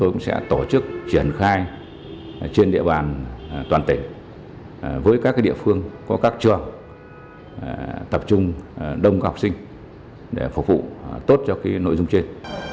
ngoài toàn tỉnh với các địa phương có các trường tập trung đông các học sinh để phục vụ tốt cho nội dung trên